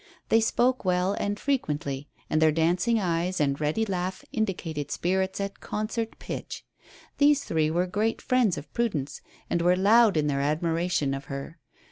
They spoke well and frequently; and their dancing eyes and ready laugh indicated spirits at concert pitch. These three were great friends of Prudence, and were loud in their admiration of her.